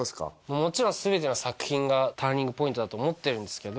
もちろん全ての作品がターニングポイントだと思ってるんですけど